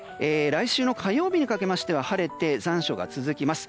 来週の火曜日にかけましては晴れて残暑が続きます。